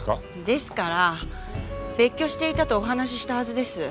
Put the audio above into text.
ですから別居していたとお話ししたはずです。